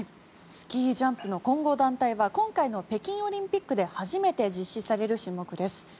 スキージャンプの混合団体は今回の北京オリンピックで初めて実施される種目です。